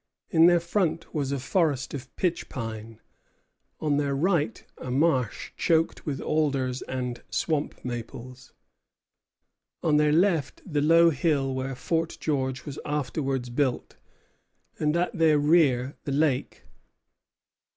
In their front was a forest of pitch pine; on their right, a marsh, choked with alders and swamp maples; on their left, the low hill where Fort George was afterwards built; and at their rear, the lake.